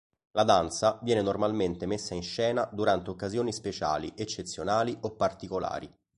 La danza viene normalmente messa in scena durante occasioni speciali, eccezionali o particolari.